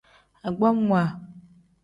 Agbamwa.